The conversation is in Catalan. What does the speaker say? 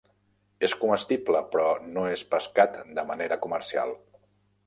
És comestible, però no és pescat de manera comercial.